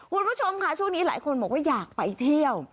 คุณผู้ชมค่ะช่วงนี้หลายคนบอกว่าอยากไปเที่ยว